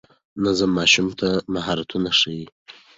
نظم ماشوم ته مهارتونه ښيي.